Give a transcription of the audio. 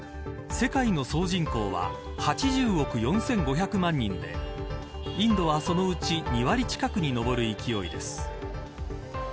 世界の総人口は８０億４５００万人でインドは、そのうち２割近くに上る勢いです。